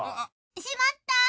しまった。